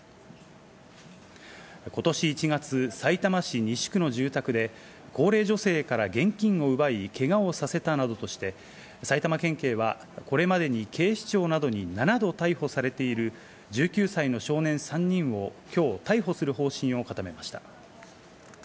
ことし１月、さいたま市西区の住宅で高齢女性から現金を奪い、けがをさせたなどとして、埼玉県警はこれまでに警視庁などに７度逮捕されている１９歳の少年３人をきょう逮捕する方針を固めました。